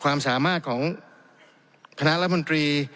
ความสามารถของคณะรัฐมนตรี